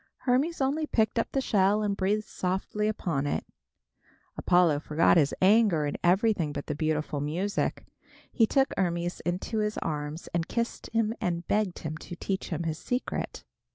Hermes only picked up the shell and breathed softly upon it. Apollo forgot his anger and everything but the beautiful music. He took Hermes in his arms and kissed him and begged him to teach him his secret.